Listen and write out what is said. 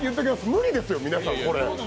無理ですよ、皆さん。